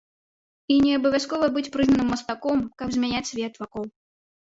І не абавязкова быць прызнаным мастаком, каб змяняць свет вакол.